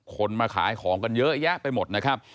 คนมาขายของกันเยอะแยะไปหมดนะครับ